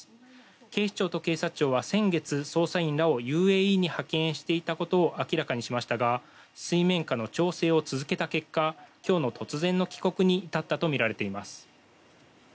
警視庁と警察庁は先月、捜査員らをＵＡＥに派遣していたことを明らかにしましたが水面下の調整を続けた結果今日の突然の帰国に至ったとみられます。